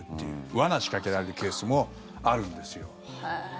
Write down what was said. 罠仕掛けられるケースもあるんですよ。